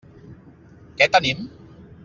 Què tenim?